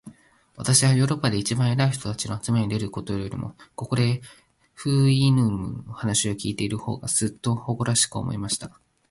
私はヨーロッパで一番偉い人たちの集まりに出るよりも、ここで、フウイヌムの話を開いている方が、ずっと誇らしく思えました。